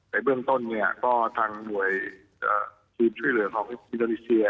ในเบื้องต้นทั้งหมวยชีวิตช่วยเหลือของอินโดนิเซีย